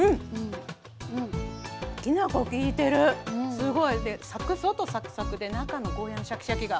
すごい！で外サクサクで中のゴーヤーのシャキシャキが。